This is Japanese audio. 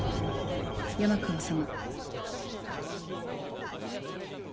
山川様。